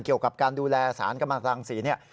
เกี่ยวกับการดูแลสารกำลังสางศรี